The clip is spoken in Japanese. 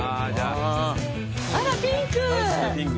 あらピンク。